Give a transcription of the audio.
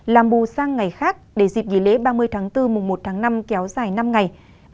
làm bù sang ngày khác để dịp nghỉ lễ ba mươi tháng bốn mùa một tháng năm kéo dài năm ngày